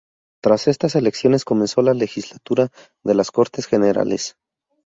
Tras estas elecciones comenzó la legislatura de las Cortes Generales.